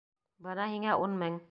Бына һиңә ун мең.